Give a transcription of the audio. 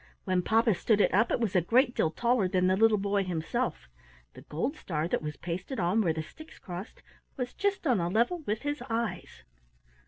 When papa stood it up it was a great deal taller than the little boy himself. The gold star that was pasted on where the sticks crossed was just on a level with his eyes.